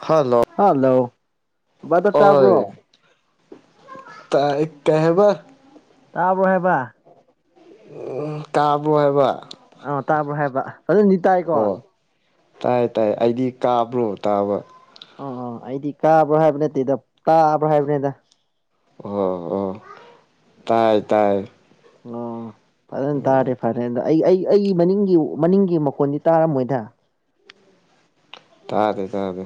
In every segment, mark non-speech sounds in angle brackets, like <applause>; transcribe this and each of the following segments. hello hello ꯑꯣꯏ ꯇꯥꯏ ꯀꯩ ꯍꯥꯏꯕ ꯇꯥꯕ꯭ꯔꯣ ꯍꯥꯏꯕ ꯇꯥꯕ꯭ꯔꯣ ꯍꯥꯏꯕ ꯑ ꯇꯥꯕ꯭ꯔꯣ ꯍꯥꯏꯕ꯭ꯔꯥ ꯐꯖꯟꯗꯤ ꯇꯥꯏꯀꯣ ꯑꯣ ꯇꯥꯏ ꯇꯥꯏ ꯑꯩꯗꯤ ꯀꯥꯕ꯭ꯔꯣ ꯇꯥꯕ ꯑ ꯑ ꯑꯩꯗꯤ ꯀꯥꯕ꯭ꯔꯥ ꯍꯥꯏꯕ ꯅꯠꯇꯦꯗ ꯇꯥꯕ꯭ꯔꯣ ꯍꯥꯏꯕꯅꯤꯗ ꯑꯣ ꯑꯣ ꯇꯥꯏ ꯇꯥꯏ ꯑꯣ ꯐꯖꯟ ꯇꯥꯔꯗꯤ ꯐꯔꯦꯗ ꯑꯩ ꯑꯩ ꯑꯩꯒꯤ ꯃꯅꯤꯡꯒꯤ ꯃꯅꯤꯡꯒꯤ ꯃꯈꯣꯟꯗꯤ ꯇꯥꯔꯝꯃꯣꯏꯗ ꯇꯥꯗꯦ ꯇꯥꯗꯦ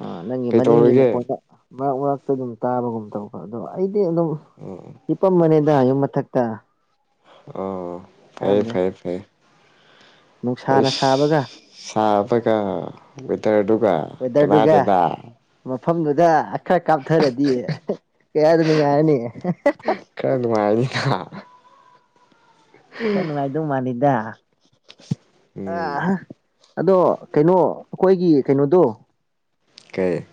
ꯑ ꯅꯪꯒꯤ ꯃꯅꯤꯡꯒꯤ ꯀꯩꯗꯧꯔꯤꯒꯦ ꯃꯈꯣꯟꯗ ꯃꯔꯛ ꯃꯔꯛꯇ ꯑꯗꯨꯝ ꯇꯥꯕꯒꯨꯝ ꯇꯧꯕ ꯑꯗꯣ ꯑꯩ ꯑꯗꯨꯝ ꯍꯤꯄꯝꯕꯅꯤꯗ ꯌꯨꯝ ꯃꯊꯛꯇ ꯑꯣ ꯐꯩꯌꯦ ꯀꯥꯟꯗꯦ ꯐꯩꯌꯦ ꯐꯩꯌꯦ ꯅꯨꯡꯁꯥꯅ ꯁꯥꯕꯒ ꯁꯥꯕꯒ ꯋꯤꯇꯔꯗꯨꯒ ꯋꯦꯗꯔꯗꯨꯒ ꯀꯅꯥꯗꯦꯗ ꯃꯐꯝꯗꯨꯗ ꯈꯔ ꯀꯥꯞꯊꯔꯗꯤ ꯀꯌꯥꯗ ꯅꯨꯨꯡꯉꯥꯏꯔꯅꯤ ꯍꯥ ꯈꯔ ꯅꯨꯡꯉꯥꯏꯗꯣ ꯃꯥꯜꯂꯤꯗ ꯑ ꯎꯝ ꯑꯗꯣ ꯀꯩꯅꯣ ꯑꯩꯈꯣꯏꯒꯤ ꯀꯩꯅꯣꯗꯣ ꯀꯩ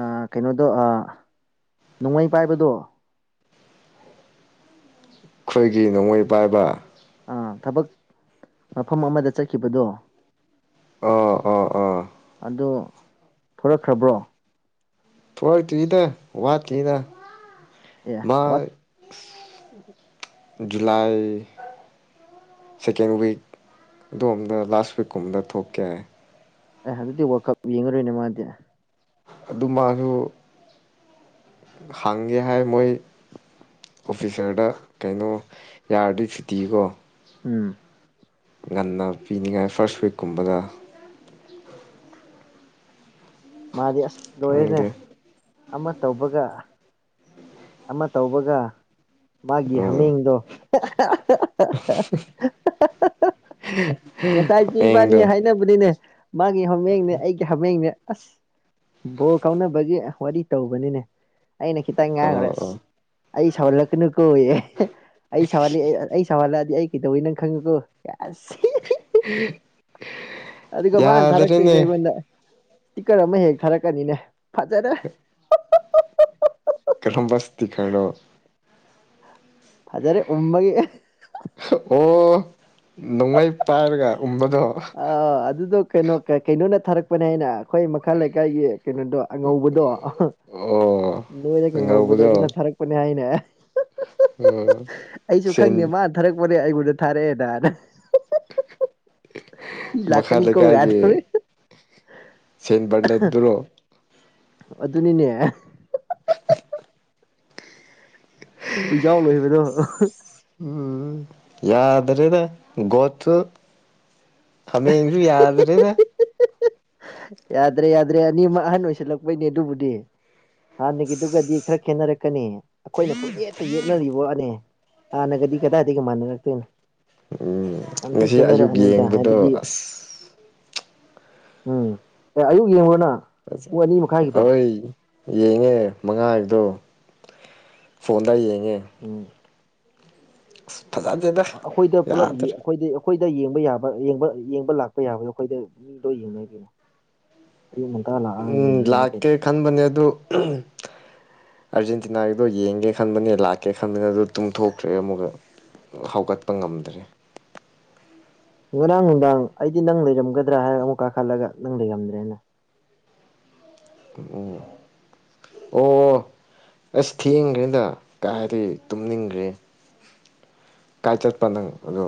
ꯑ ꯀꯩꯅꯣꯗꯣ ꯅꯣꯡꯃꯩ ꯄꯥꯏꯕꯗꯣ ꯑꯩꯈꯣꯏꯒꯤ ꯅꯣꯡꯃꯩ ꯄꯥꯏꯕ ꯑꯥ ꯊꯕꯛ ꯃꯐꯝ ꯑꯃꯗ ꯆꯠꯈꯤꯕꯗꯣ ꯑꯥ ꯑꯥ ꯑꯥ ꯑꯗꯣ ꯊꯣꯔꯛꯈ꯭ꯔꯕ꯭ꯔꯣ ꯊꯣꯔꯛꯇ꯭ꯔꯤꯗ ꯋꯥꯠꯈꯤꯅꯤꯗ ꯑꯦ ꯋꯥꯠ ꯖꯨꯂꯥꯏ ꯁꯦꯀꯦꯟ ꯋꯤꯛ ꯑꯗꯣꯝꯗ ꯂꯥꯁ ꯋꯤꯛꯇ ꯊꯣꯛꯀꯦ ꯍꯥꯏꯌꯦ ꯑꯦ ꯑꯗꯨꯗꯤ ꯋꯥꯜꯀꯞ ꯌꯦꯡꯉꯔꯣꯏꯅꯦ ꯃꯥꯗꯤ ꯑꯗꯨ ꯃꯥꯁꯨ ꯍꯪꯒꯦ ꯍꯥꯏ ꯃꯣꯏ ꯑꯣꯐꯤꯁꯔꯗ ꯀꯩꯅꯣ ꯌꯥꯔꯗꯤ ꯁꯨꯇꯤ ꯀꯣ ꯎꯝ ꯉꯟꯅ ꯄꯤꯅꯤꯉꯥꯏ ꯐꯥꯔꯁ ꯋꯤꯛꯀꯨꯝꯕꯒ ꯃꯥꯗꯤ ꯑꯁ ꯂꯣꯏꯔꯦꯅꯦ ꯈꯪꯗꯦ ꯑꯃ ꯇꯧꯕꯒ ꯑꯃ ꯇꯧꯕꯒ ꯃꯥꯒꯤ ꯎꯝ ꯍꯥꯃꯦꯡꯗꯣ <unintelligible> ꯉꯁꯥꯏꯁꯨ ꯏꯕꯥꯅꯤ ꯍꯌꯦꯡꯗꯣ ꯍꯥꯏꯅꯕꯅꯤꯅꯦ ꯃꯥꯒꯤ ꯍꯥꯃꯦꯡꯅꯦ ꯑꯩꯒꯤ ꯍꯥꯃꯦꯡꯅꯦ ꯑꯁ ꯕꯣ ꯀꯥꯎꯅꯕꯒꯤ ꯋꯥꯔꯤ ꯇꯧꯕꯅꯤꯅꯦ ꯑꯩꯅ ꯈꯤꯇꯪ ꯑꯣ ꯉꯥꯡꯈꯨꯔꯦ ꯑꯁ ꯑꯣ ꯑꯩ ꯁꯧꯍꯜꯂꯛꯀꯅꯨ ꯀꯣ ꯑꯩ ꯁꯥꯎꯍꯜꯂꯛꯦ ꯁꯋꯥꯜꯂꯛꯑꯗꯤ ꯑꯩ ꯀꯩꯗꯧꯋꯤ ꯅꯪ ꯈꯪꯉꯨꯀꯣ ꯑꯁ ꯑꯗꯨꯒ ꯃꯥꯅ ꯌꯥꯗꯔꯦꯅꯦ ꯊꯥꯔꯛꯇꯣꯏꯁꯦ ꯑꯩꯉꯣꯟꯗ ꯏꯁꯇꯤꯀꯔ ꯑꯃ ꯍꯦꯛ ꯊꯥꯔꯛꯀꯅꯤꯅꯦ ꯐꯖꯔꯦ ꯀꯔꯝꯕ ꯏꯁꯇꯤꯀꯔꯅꯣ ꯐꯖꯔꯦ ꯎꯃꯒꯤꯦ ꯑꯣ ꯅꯣꯡꯃꯩ ꯄꯥꯏꯔꯒ ꯎꯕꯗꯣ ꯑꯥ ꯑꯗꯨꯗꯣ ꯀꯩꯅꯣ ꯀꯩꯅꯣꯅ ꯊꯥꯔꯛꯄꯅꯦ ꯍꯥꯏꯅ ꯑꯩꯈꯣꯏ ꯃꯈꯥ ꯂꯩꯀꯥꯏꯒꯤ ꯀꯩꯅꯣꯗꯣ ꯑꯉꯧꯕꯗꯣ ꯑꯣ ꯅꯣꯏꯗ ꯑꯉꯧꯕꯗꯣ ꯑꯗꯨꯅ ꯊꯥꯔꯛꯄꯅꯦ ꯍꯥꯏꯅꯦ ꯑꯦ ꯎꯝ ꯑꯩꯁꯨ ꯁꯦꯟ ꯈꯪꯗꯦ ꯃꯥꯅ ꯊꯥꯔꯛꯄꯅꯦ ꯑꯩꯉꯣꯟꯗ ꯊꯥꯔꯛꯑꯦꯅꯅ ꯁꯤ ꯂꯥꯛꯀꯅꯤ ꯀꯣ ꯌꯥꯗꯔ ꯁꯦꯟꯦꯟ ꯔꯅꯦꯠ꯭ꯔꯣ ꯑꯗꯨ ꯑꯗꯨꯅꯤꯅꯦ ꯑꯩꯣꯏ ꯌꯥꯎ ꯂꯣꯏꯕꯗꯣ ꯎꯝ ꯌꯥꯗ꯭ꯔꯗ ꯒꯣꯠꯇ ꯑꯃꯁꯨ ꯌꯥꯗꯔꯦꯗ ꯌꯥꯗ꯭ꯔꯦ ꯌꯥꯗ꯭ꯔꯦ ꯑꯅꯤꯃꯛ ꯑꯍꯟ ꯑꯣꯏꯁꯤꯜꯂꯛꯄꯩꯅꯦ ꯑꯗꯨꯕꯨꯗꯤ ꯍꯥꯟꯅꯒꯤꯗꯨꯒꯗꯤ ꯈꯔ ꯈꯦꯠꯅꯔꯛꯀꯅꯤ ꯑꯩꯈꯣꯏꯅ ꯄꯨꯡꯌꯦꯠꯇ ꯌꯦꯛꯅꯔꯤꯕꯣꯅꯦ ꯑꯥꯅꯒꯗꯤ ꯀꯗꯥꯇ ꯀ ꯃꯥꯅ ꯂꯥꯛꯇꯅ ꯎꯝ ꯌꯥꯝ ꯊꯤ ꯉꯁꯤ ꯑꯌꯨꯛ ꯈꯦꯠꯅꯔꯛꯑꯅꯤꯗ ꯍꯥꯏꯕꯗꯤ ꯌꯦꯡꯕꯗꯣ ꯑꯁ ꯎꯝ ꯑꯦ ꯑꯌꯨꯛ ꯌꯦꯡꯉꯨꯔꯅ ꯐꯖ ꯑꯩꯣꯏ ꯌꯦꯡꯉꯦ ꯃꯉꯥꯗꯣ ꯐꯣꯟꯗ ꯍ ꯎꯝ <unintelligible> ꯑꯩꯈꯣꯏꯗ ꯄꯨꯂꯞ ꯌꯦ ꯌꯥꯗ꯭ꯔꯦ ꯑꯩꯈꯣꯏꯗ ꯑꯩꯈꯣꯏꯗ ꯌꯦꯡꯕ ꯌꯥꯕ ꯌꯦꯡꯕ ꯌꯦꯡꯕ ꯂꯥꯛꯄ ꯌꯥꯕꯗꯣ ꯑꯩꯈꯣꯏꯗ ꯃꯤꯗꯣ ꯌꯦꯡꯅꯩ ꯀꯩꯅꯣ ꯑꯌꯨꯛ ꯉꯟꯇꯥ ꯂꯥꯛꯑꯒ ꯎꯝ ꯌꯦꯡꯉꯤꯒꯤꯅ ꯂꯥꯛꯀꯦ ꯀꯩꯅꯣ ꯈꯟꯕꯅꯦ ꯑꯗꯨ ꯑꯥꯔꯖꯦꯟꯇꯤꯅꯥꯒꯤꯗꯣ ꯌꯦꯡꯒꯦ ꯈꯟꯕꯅꯦ ꯂꯥꯛꯀꯦ ꯈꯟꯕꯅꯦ ꯑꯗꯨ ꯇꯨꯡꯊꯣꯛꯇ꯭ꯔꯦ ꯑꯃꯨꯛꯀ ꯍꯧꯒꯠꯄ ꯉꯝꯗ꯭ꯔꯦ ꯉꯔꯥꯡ ꯅꯨꯡꯗꯥꯡ ꯑꯩꯗꯤ ꯅꯪ ꯂꯩꯔꯝꯒꯗ꯭ꯔꯥ ꯍꯥꯏꯔꯒ ꯑꯃꯨꯛ ꯀꯥꯈꯠꯂꯒ ꯅꯪ ꯂꯩꯔꯝꯗ꯭ꯔꯦꯅ ꯑꯣ ꯑꯣ ꯑꯁ ꯊꯦꯡꯈ꯭ꯔꯦꯗ ꯀꯥꯏꯗꯤ ꯇꯨꯝꯅꯤꯡꯈ꯭ꯔꯦ ꯀꯥꯏ ꯆꯠꯄ ꯅꯪ ꯑꯗꯣ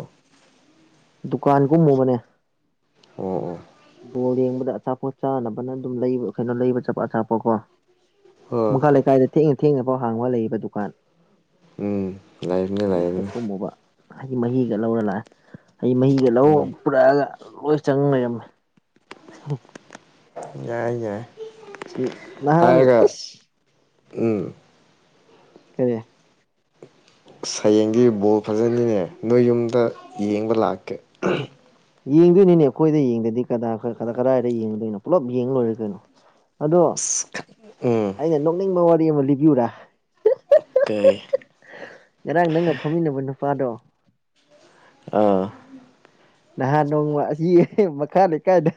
ꯗꯨꯀꯥꯟꯒꯨꯝꯃꯨꯕꯅꯦ ꯑꯣ ꯑꯣ ꯕꯣꯜ ꯌꯦꯡꯕꯗ ꯑꯆꯥꯄꯣꯠ ꯆꯥꯅꯕꯅ ꯑꯗꯨꯝ ꯂꯩꯕ ꯀꯩꯅꯣ ꯂꯩꯕ ꯆꯠꯄ ꯑꯆꯥꯄꯣꯀꯣ ꯍꯣꯏ ꯃꯈꯥ ꯂꯩꯀꯥꯏꯗ ꯊꯦꯡꯅ ꯊꯦꯡꯅ ꯐꯥꯎ ꯍꯥꯡꯕ ꯂꯩꯕ ꯗꯨꯀꯥꯟ ꯎꯝ ꯂꯩꯕꯅꯤ ꯂꯩꯕꯅꯤ ꯈꯨꯝꯃꯨꯕ ꯍꯥꯏꯗꯤ ꯃꯍꯤꯒ ꯂꯧꯔ ꯂꯥꯛꯑꯦ ꯑꯩ ꯃꯍꯤꯒ ꯂꯧ ꯎꯝ ꯄꯨꯔꯛꯑꯒ ꯂꯣꯏ ꯆꯪ ꯂꯩꯔꯝꯃꯦ ꯌꯥꯏꯏ ꯌꯥꯏ ꯅꯍꯥꯟ ꯍꯥꯏꯔꯒ ꯎꯝ ꯀꯔꯤꯦ ꯁꯌꯦꯡꯒꯤ ꯕꯣꯜ ꯐꯖꯅꯤꯅꯦ ꯅꯣꯏ ꯌꯨꯝꯗ ꯌꯦꯡꯕ ꯂꯥꯛꯀꯦ ꯌꯦꯡꯗꯣꯏꯅꯤꯅꯦ ꯑꯩꯈꯣꯏꯗ ꯌꯦꯡꯗꯗꯤ ꯀꯗꯥꯗꯥ ꯀꯗꯥꯏꯗ ꯌꯦꯡꯗꯣꯏꯅꯣ ꯄꯨꯂꯞ ꯌꯦꯡ ꯂꯣꯏꯔꯦ ꯀꯩꯅꯣ ꯑꯗꯣ ꯑꯁ ꯎꯝ ꯑꯩꯅ ꯅꯣꯛꯅꯤꯡꯕ ꯋꯥꯔꯤ ꯑꯃ ꯂꯤꯕꯤꯌꯨꯨꯔꯥ ꯀꯩ ꯉꯔꯥꯡ ꯅꯪꯒ ꯐꯝꯃꯤꯟꯅꯕ ꯅꯨꯄꯥꯗꯣ ꯑꯥ ꯅꯍꯥꯟ ꯅꯣꯡꯃ ꯑꯁꯤ ꯃꯈꯥ ꯂꯩꯀꯥꯏꯗ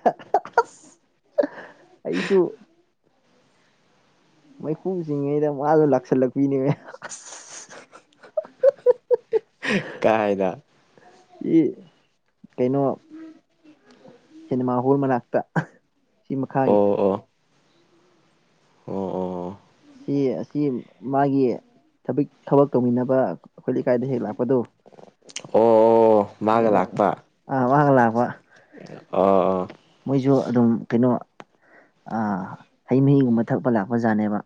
ꯑꯁ ꯑꯩꯁꯨ ꯃꯩꯈꯨ ꯆꯤꯡꯉꯩꯗ ꯃꯥꯗꯣ ꯂꯥꯛꯁꯜꯂꯛꯄꯤꯅꯦꯅꯦ ꯀꯥꯏꯗ ꯏ ꯀꯩꯅꯣ ꯁꯤꯅꯦꯃꯥ ꯍꯣꯜ ꯃꯅꯥꯛꯇ ꯁꯤ ꯃꯈꯥꯒꯤ ꯑꯣ ꯑꯣ ꯑꯣ ꯑꯣ ꯁꯤ ꯑꯁꯤ ꯃꯥꯒꯤ ꯊꯛ ꯊꯕꯛ ꯇꯧꯃꯤꯟꯅꯕ ꯑꯩꯈꯣꯏ ꯂꯩꯀꯥꯏꯗ ꯍꯦꯛ ꯂꯥꯛꯄꯗꯣ ꯑꯣ ꯑꯣ ꯒ ꯑꯗꯨꯒ ꯂꯥꯛꯄ ꯑꯥ ꯃꯥꯒ ꯂꯥꯛꯄ ꯑ ꯑ ꯃꯣꯏꯁꯨ ꯑꯗꯨꯝ ꯀꯩꯅꯣ ꯑ ꯍꯩ ꯃꯍꯤꯒꯨꯝꯕ ꯊꯛꯄ ꯂꯥꯛꯄ ꯖꯥꯠꯅꯦꯕ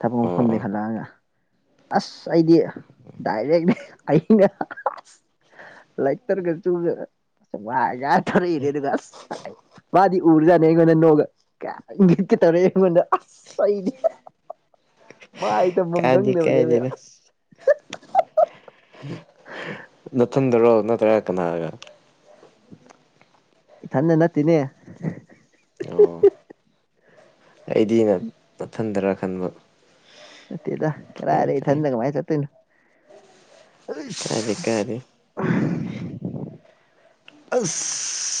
ꯊꯕꯛ ꯑꯣ ꯑꯣ ꯃꯐꯝꯗꯒꯤ ꯍꯜꯂꯛꯑꯒ ꯑꯁ ꯑꯩꯗꯤ ꯗꯥꯏꯔꯦꯛꯂꯤ ꯑꯩꯅ ꯂꯩꯇꯔꯒ ꯆꯨꯗ ꯀꯥꯟ ꯔ ꯏꯔꯦ ꯑꯗꯨꯒꯒꯁ ꯃꯥꯗꯤ ꯎꯔꯖꯥꯅ ꯑꯩꯉꯣꯟꯗ ꯅꯣꯡꯒ ꯀꯠ ꯀꯦ ꯇꯧꯔꯦ ꯑꯩꯉꯣꯟꯗ ꯑꯁꯗꯤ ꯃꯥꯏ ꯇꯝꯐꯝ ꯀꯥꯏꯗꯦ ꯈꯪꯗꯕꯅꯦꯅꯦ ꯀꯥꯏꯗꯦꯗ ꯑꯁ ꯅꯊꯟꯗꯔꯣ ꯅꯠꯇ꯭ꯔꯥ ꯀꯅꯥꯒ ꯊꯅ ꯅꯠꯇꯅꯦ ꯑꯣ ꯑꯩꯗꯤ ꯑꯩꯅ ꯃꯊꯟꯊꯔ ꯈꯟꯕ ꯠꯇꯦꯗ ꯐꯩ ꯀꯔꯥꯏꯔꯦ ꯐꯩ ꯊꯟꯗꯒ ꯃꯥꯥꯏ ꯆꯠ ꯇꯣꯏꯅ ꯀꯥꯏꯗꯦ ꯀꯥꯏꯗꯦ ꯑ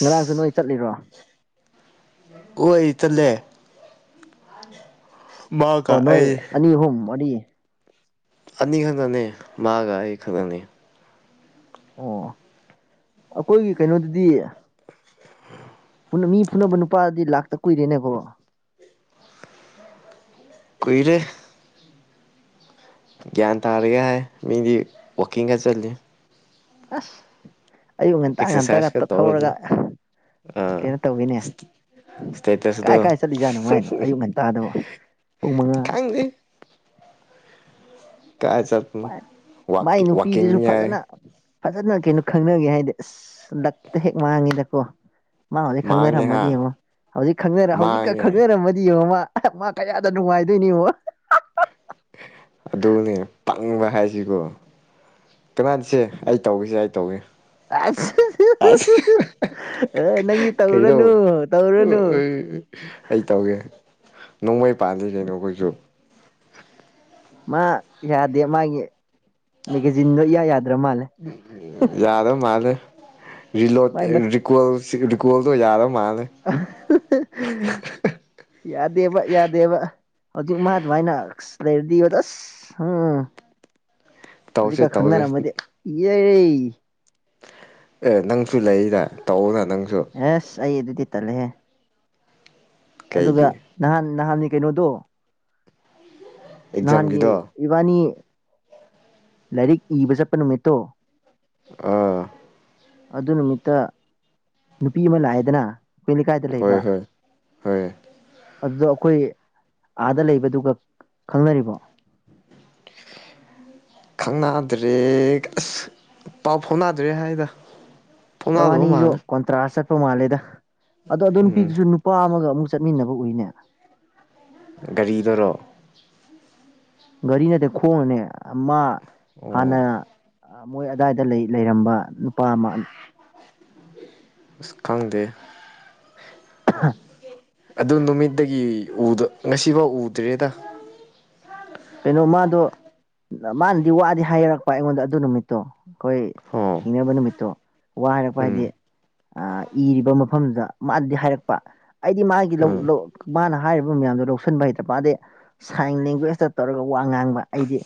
ꯉꯔꯥꯡꯁꯨ ꯅꯣꯏ ꯆꯠꯂꯤꯔꯣ ꯑꯣꯏ ꯇꯂꯦ ꯑꯣ ꯅꯣꯏ ꯑꯩ ꯑꯅꯤ ꯑꯍꯨꯝ ꯃꯅꯤ ꯑꯅꯤ ꯈꯛꯅꯅꯤ ꯃꯥꯒ ꯑꯩ ꯈꯪꯅꯅꯤ ꯑꯣ ꯑꯩꯈꯣꯏꯒꯤ ꯀꯩꯅꯣꯗꯗꯤ ꯃꯤ ꯐꯨꯅꯕ ꯅꯨꯄꯥꯗꯨꯗꯤ ꯂꯥꯛꯇ ꯀꯨꯏꯔꯦꯅꯦꯀꯣ ꯀꯨꯏꯔꯦ ꯒꯌꯥꯟ ꯇꯥꯔꯒ ꯍꯥꯏ ꯃꯤꯗꯤ ꯋꯥꯀꯤꯡ ꯀ ꯆꯜꯂꯤ ꯑꯁ ꯑꯌꯨꯛ ꯉꯟꯇꯥ ꯉꯟꯇ ꯑꯦꯛꯁꯔꯁꯥꯏꯁꯀ ꯉꯇ ꯇꯧꯔꯗꯤ ꯊꯧꯔꯒ ꯑꯥ ꯀꯩꯅꯣ ꯇꯧꯒꯅꯦ ꯀꯥꯏ ꯏꯁꯇꯦꯇꯁꯇꯣ ꯀꯥꯏ ꯆꯠꯂꯤꯖꯥꯠꯅꯣꯉꯥꯏꯅꯣ ꯑꯌꯨꯛ ꯉꯟꯇꯥꯗꯕ ꯄꯨꯡ ꯃꯉꯥ ꯈꯪꯗꯦ ꯀꯥꯏ ꯆꯠꯄꯅꯣ ꯃꯥꯏ ꯋꯥꯛꯀꯤꯡ ꯅꯨꯄꯤꯗꯨꯁꯨ ꯋꯥꯛꯀꯤꯡꯅꯤ ꯐꯖꯅ ꯍꯥꯏ ꯐꯖꯅ ꯀꯩꯅꯣ ꯈꯪꯅꯒꯦ ꯍꯥꯏꯗꯤ ꯑꯁ ꯂꯛꯇ ꯍꯦꯛ ꯃꯥꯡꯉꯤꯗꯀꯣ ꯃꯥ ꯍꯧꯖꯤꯛ ꯃꯥꯡꯉꯦ ꯍꯥ ꯈꯪꯅꯔꯝꯃꯗꯤ ꯌꯦꯡꯉꯣ ꯍꯧꯖꯤꯛ ꯈꯪꯅꯔ ꯍꯧꯖꯤꯛꯀ ꯃꯥꯡꯉꯦ ꯈꯪꯅꯔꯝꯃꯗꯤ ꯌꯦꯡꯉꯣ ꯃꯥ ꯃꯥ ꯀꯌꯥꯗ ꯅꯨꯡꯉꯥꯏꯗꯣꯏꯅꯤꯕꯣ ꯑꯗꯨꯅꯦ ꯇꯪꯕ ꯍꯥꯏꯁꯤꯀꯣ ꯀꯃꯅꯁꯤ ꯑꯩ ꯇꯧꯏꯁꯦ ꯑꯩ ꯇꯧꯏ ꯑꯁ ꯑꯁ ꯑꯦ ꯅꯪꯗꯤ ꯀꯩꯅꯣ ꯇꯧꯔꯨꯔꯅꯨ ꯇꯧꯔꯨꯔꯅꯨ ꯑꯩ ꯇꯧꯒꯦ ꯅꯣꯡꯃꯩ ꯄꯥꯜꯂꯤ ꯀꯩꯅꯣꯈꯣꯏꯁꯨ ꯃꯥ ꯌꯥꯗꯦ ꯃꯥꯒꯤ ꯃꯦꯒꯥꯖꯤꯟꯗꯣ ꯏꯌꯥ ꯌꯥꯗꯦ ꯌꯥꯗꯣ ꯃꯥꯏ ꯃꯠ ꯃꯥꯂꯂꯣꯀꯜ ꯀꯣꯜꯗꯣ ꯌꯥꯥꯗ ꯑꯃ ꯌꯥꯗꯦꯕ ꯌꯥꯗꯦꯕ ꯍꯧꯖꯤꯛ ꯃꯥꯗꯚꯥꯏꯅ ꯂꯩꯔꯗꯤꯣ ꯇꯁ ꯎꯝ ꯇꯧꯁꯦ ꯍꯧꯖꯤꯛꯀ ꯇꯧꯁꯦ ꯈꯪꯅꯔꯝꯃꯗꯤ ꯏ ꯑꯦ ꯅꯪꯁꯨ ꯂꯩꯗ ꯇꯧꯅ ꯑꯦꯁ ꯑꯩ ꯑꯗꯨꯗꯤ ꯇꯠꯂꯦꯍꯦ ꯑꯗꯨꯒ ꯀꯩꯒꯤ ꯅꯍꯥꯟ ꯅꯍꯥꯟꯅꯤ ꯀꯩꯅꯣꯗꯣ ꯅꯍꯥꯟꯒꯤ ꯑꯦꯛꯖꯥꯝꯒꯤꯗꯣ ꯏꯕꯥꯅꯤ ꯂꯥꯏꯔꯤꯛ ꯏꯕ ꯆꯠꯄ ꯅꯨꯃꯤꯠꯇꯣ ꯑꯥ ꯑꯗꯨ ꯅꯨꯃꯤꯠꯇ ꯅꯨꯄꯤ ꯑꯃ ꯂꯥꯛꯑꯦꯗꯅ ꯂꯩꯀꯥꯏꯗ ꯍꯣꯏ ꯍꯣꯏ ꯍꯣꯏ ꯑꯗꯨꯗꯣ ꯑꯩꯈꯣꯏ ꯑꯥꯗ ꯂꯩꯕꯗꯨꯒ ꯈꯪꯅꯔꯤꯕꯣ ꯈꯪꯅꯗ꯭ꯔꯦ ꯑꯁ ꯄꯥꯎ ꯐꯥꯎꯅꯗ꯭ꯔꯦ ꯍꯥꯏꯗ ꯐꯥꯎꯅꯗꯕ ꯕꯥꯅꯤꯁꯨ ꯃꯥꯜꯂꯦ ꯀꯨꯟꯇ꯭ꯔꯥ ꯆꯠꯄ ꯃꯥꯜꯂꯦꯗ ꯑꯗꯣ ꯑꯗꯨ ꯎꯝ ꯅꯨꯄꯤꯗꯨꯁꯨ ꯅꯨꯄꯥ ꯑꯃꯒ ꯑꯃꯨꯛ ꯆꯠꯃꯤꯟꯅꯕ ꯎꯏꯅꯦ ꯒꯥꯔꯤꯗꯔꯣ ꯒꯥꯔꯤ ꯅꯠꯇꯦ ꯈꯣꯡꯕꯅꯦ ꯃꯥ ꯑꯣ ꯍꯥꯟꯅ ꯃꯣꯏ ꯑꯗꯨꯗꯥꯏꯗ ꯂꯩ ꯂꯩꯔꯝꯕ ꯅꯨꯄꯥ ꯑꯃ ꯈꯪꯗ ꯍꯥ ꯑꯗꯨ ꯅꯨꯃꯤꯠꯇꯗꯒꯤ ꯉꯁꯤꯐꯥꯎ ꯎꯗ꯭ꯔꯦꯗ ꯀꯩꯅꯣ ꯃꯥꯗꯣ ꯃꯥꯅꯗꯤ ꯋꯥꯗꯤ ꯍꯥꯏꯔꯛꯄ ꯑꯩꯉꯣꯟꯗ ꯑꯗꯨ ꯅꯨꯃꯤꯠꯇꯣ ꯑꯩꯈꯣꯏ ꯑꯣ ꯊꯤꯡꯅꯕ ꯅꯨꯃꯤꯠꯇꯣ ꯋꯥ ꯍꯥꯏꯔꯛꯄ ꯎꯝ ꯍꯥꯏꯗꯤ ꯏꯔꯤꯕ ꯃꯐꯝꯗꯨꯗ ꯃꯥꯅꯗꯤ ꯍꯥꯏꯔꯛꯄ ꯑꯩꯗꯤ ꯃꯥꯒꯤ ꯎꯝ ꯃꯥꯅ ꯍꯥꯏꯔꯤꯕ ꯃꯌꯥꯝ ꯂꯧꯁꯤꯟꯕ ꯍꯩꯇꯕ ꯄꯗꯗꯤ ꯁꯥꯏꯟ ꯂꯦꯡꯒ꯭ꯋꯦꯖꯇ ꯇꯧꯔꯒ ꯋꯥ ꯉꯥꯡꯕ ꯑꯩꯗꯤ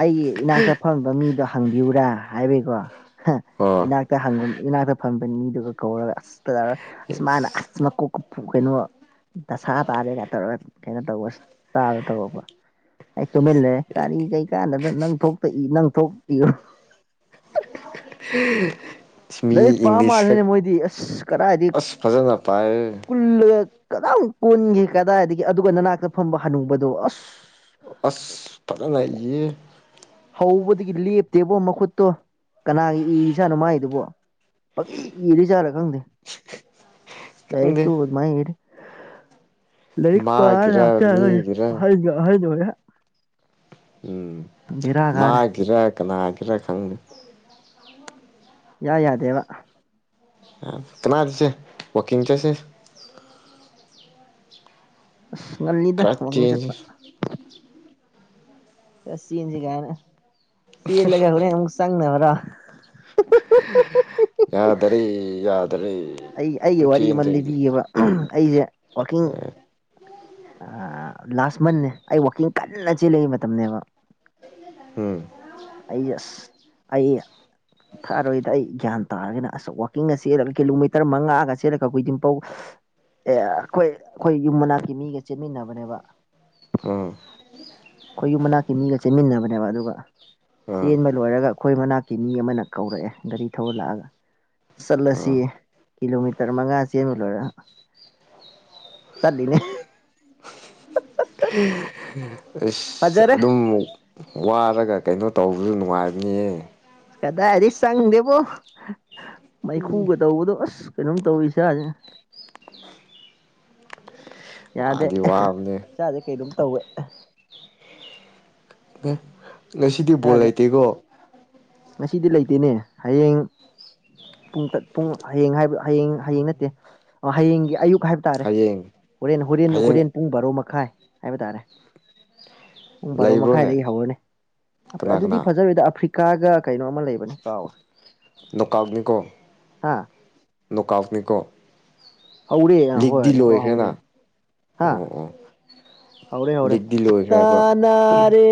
ꯑꯩꯒꯤ ꯏꯅꯥꯛꯇ ꯐꯝꯕ ꯃꯤꯗꯣ ꯍꯪꯕꯤꯌꯨꯨꯔꯥ ꯍꯥꯏꯕꯒꯤꯀꯣ ꯑꯣ ꯏꯅꯥꯛꯇ ꯍꯪꯕ ꯏꯅꯥꯛꯇ ꯐꯝꯕ ꯃꯤꯗꯨꯒ ꯀꯧꯔꯒ ꯑꯁꯇ ꯆꯃꯥꯟ ꯀ ꯀꯩꯅꯣ ꯗꯁꯥ ꯇꯥꯔꯦꯒ ꯇꯧꯔꯒ ꯀꯩꯅꯣ ꯇꯧꯕ ꯇꯥꯗ ꯇꯧꯔꯛꯄ ꯑꯩ ꯇꯨꯝꯃꯤꯜꯂꯦ ꯀꯔꯤ ꯀꯩꯀꯥꯟꯗꯗ ꯅꯪ ꯊꯣꯛꯇ ꯅꯪ ꯊꯣꯛ ꯍꯝ ꯂꯥꯏꯔꯤꯛ ꯄꯥꯝ ꯃꯥꯜꯂꯦꯅꯦ ꯃꯣꯏꯗꯤ ꯑꯁ ꯀꯗꯥꯏꯗꯤ ꯑꯁ ꯐꯖꯅ ꯄꯑ ꯀꯗꯥ ꯀꯣꯟꯈꯤ ꯀꯗꯥꯏꯗꯒꯤ ꯑꯗꯨꯒ ꯅꯅꯥꯛꯇ ꯐꯝꯕ ꯍꯅꯨꯕꯗꯣ ꯑꯁ ꯐꯔꯉ ꯑꯩ ꯍꯧꯕꯗꯒꯤ ꯂꯦꯞꯇꯦꯕꯣ ꯃꯈꯨꯠꯇꯣ ꯀꯅꯥꯒꯤ ꯏꯔꯤꯖꯥꯠꯅꯣ ꯃꯥꯏꯗꯨꯕꯣ ꯏꯗꯤ ꯆꯂ ꯀꯪꯗ ꯗꯥꯏꯔ ꯈꯪꯗꯦ ꯇꯨ ꯃꯥꯔ ꯂꯛ ꯄ ꯃꯥꯒꯤꯔ ꯂꯥꯛꯇꯥ ꯃꯤꯒꯤꯔ ꯑꯔ ꯎꯝ ꯃꯥꯒꯤꯔ ꯀꯅꯥꯒꯤꯔꯥ ꯈꯪꯅꯦ ꯌꯥ ꯌꯥ ꯗꯦ ꯋꯥ ꯀꯅꯥꯗꯁꯦ ꯋꯥꯀꯤꯡ ꯆꯁꯦ ꯑꯁ ꯉꯜꯂꯤꯗ ꯈꯔ ꯋꯥꯋꯥꯛꯀꯤꯡ ꯆꯦꯟꯁꯤ ꯆꯠꯄ ꯈ ꯆꯦꯟꯁꯤ ꯀꯥꯏꯅ ꯆꯦꯜꯂꯒ ꯍꯣꯔꯦꯟ ꯑꯃꯨꯛ ꯆꯪꯅꯕ꯭ꯔꯥ ꯌꯥꯗꯔꯤ ꯌꯥꯗ ꯑꯩ ꯑꯩꯒꯤ ꯋꯥꯔꯤ ꯑꯃ ꯂꯤꯕꯤꯕ ꯑꯩꯁꯦ ꯋꯥꯋꯥꯛꯀꯤꯡ ꯂꯥꯁ ꯃꯟꯦ ꯑꯩ ꯋꯥꯛꯀꯤꯡ ꯀꯟꯅ ꯆꯦꯜꯜꯂꯤꯛ ꯃꯇꯝꯅꯦꯕ ꯎꯝ ꯑꯁ ꯑ ꯊꯛꯑꯔꯣꯏꯗ ꯑꯩ ꯒ꯭ꯌꯥꯟ ꯇꯥꯔꯒꯅ ꯑꯁ ꯋꯥꯛꯀꯤꯡꯒ ꯆꯦꯜꯂꯒ ꯀꯤꯂꯣꯃꯤꯇꯔ ꯃꯉꯥꯒ ꯆꯦꯜꯂꯒ ꯀꯈꯏꯗꯤꯝꯄꯧ ꯑꯦ ꯑꯩꯈꯣꯏ ꯑꯩꯈꯣꯏ ꯌꯨꯝ ꯃꯅꯥꯛꯀꯤ ꯃꯤꯒ ꯆꯦꯟꯃꯤꯟꯅꯕꯅꯦꯕ ꯎꯝ ꯑꯩꯈꯣꯏ ꯌꯨꯝ ꯃꯅꯥꯛꯀꯤ ꯃꯤꯒ ꯆꯦꯟꯃꯤꯟꯅꯕꯅꯦꯕ ꯑꯗꯨꯒ ꯎꯝ ꯆꯦꯟꯕ ꯂꯣꯏꯔꯒ ꯑꯩꯈꯣꯏ ꯃꯅꯥꯛꯀꯤ ꯃꯤ ꯑꯃꯅ ꯀꯧꯔꯛꯑꯦ ꯒꯥꯔꯤ ꯊꯧꯔꯂꯛꯑꯒ ꯆꯠꯂꯁꯤ ꯎꯝ ꯀꯤꯂꯣꯃꯤꯇꯔ ꯃꯉꯥ ꯆꯦꯟꯕ ꯂꯣꯏꯔ ꯆꯠꯂꯤꯅꯦ ꯑꯩꯁ ꯐꯖꯔꯦ ꯑꯗꯨꯝ ꯋꯥꯔꯒ ꯀꯩꯅꯣ ꯇꯧꯕꯁꯨ ꯅꯨꯡꯉꯥꯏꯕꯅꯤꯌꯦ ꯀꯗꯥꯏꯗꯩ ꯆꯪꯗꯦꯕꯣ ꯃꯩꯈꯨꯒ ꯇꯧꯕꯗꯣ ꯑꯁ ꯀꯩꯅꯣꯝ ꯇꯧꯋꯤ ꯏꯁꯥꯁꯦ ꯌꯥꯗꯦ ꯋꯥꯗꯤ ꯋꯥꯕꯅꯦ ꯆꯥꯁꯦ ꯀꯩꯅꯣꯝ ꯇꯧꯋꯦ ꯑꯦ ꯉꯁꯤꯗꯤ ꯕꯣꯜ ꯏꯁꯥꯁꯦ ꯂꯩꯇꯦꯀꯣ ꯉꯁꯤꯗꯤ ꯂꯩꯇꯦꯅꯦ ꯍꯌꯦꯡ ꯄꯨꯡ ꯄꯨꯡ ꯍꯌꯦꯡ ꯍꯥꯏꯕ ꯍꯌꯦꯡ ꯍꯌꯦꯡ ꯅꯠꯇꯦ ꯍꯌꯦꯡꯒꯤ ꯑꯌꯨꯛ ꯍꯥꯏ ꯍꯥꯏ ꯇꯥꯔꯦ ꯍꯌꯦꯡ ꯍꯣꯔꯦꯟ ꯍꯣꯔꯦꯟ ꯍꯌꯦꯡ ꯍꯣꯔꯦꯟ ꯄꯨꯡ ꯕꯥꯔꯣ ꯃꯈꯥꯏ ꯍꯥꯏꯕ ꯇꯥꯔꯦ ꯄꯨꯡ ꯕꯥꯔꯣ ꯂꯩꯕ꯭ꯔꯣꯅꯦ ꯃꯈꯥꯏꯗꯒꯤ ꯍꯧꯔꯅꯤ ꯀꯅꯥ ꯑꯗꯨꯗꯤ ꯀꯅꯥ ꯐꯖꯔꯣꯏꯗ ꯑꯐ꯭ꯔꯤꯀꯥ ꯀꯥꯒ ꯀꯩꯅꯣ ꯑꯃ ꯂꯩꯕꯅꯤ ꯀꯥꯎꯔꯦ ꯅꯣꯀꯥꯛꯅꯤꯀꯣ ꯅꯧꯀꯜꯅꯤꯀꯣ ꯍꯧꯔꯦ ꯍꯣꯏ ꯑꯃꯨꯛꯀ ꯍꯧꯔꯦ ꯍꯥ ꯑꯣ ꯑꯣ ꯍꯧꯔꯦ ꯍꯧꯔꯦ ꯂꯤꯛꯇꯤ ꯂꯣꯏꯈ꯭ꯔꯦꯕ ꯇꯅꯔꯦ